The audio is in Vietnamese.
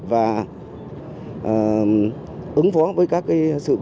và ứng dụng các hành vi vi phạm